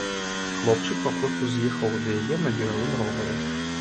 Хлопчык папросту з'ехаў ад яе на бегавым ровары.